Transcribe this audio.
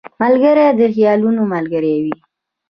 ملګری د خیالونو ملګری وي